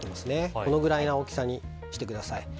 このくらいの大きさにしてください。